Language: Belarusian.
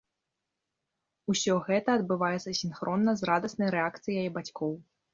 Усё гэта адбываецца сінхронна з радаснай рэакцыяй бацькоў.